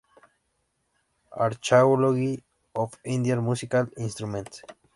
Archaeology of Indian Musical Instruments.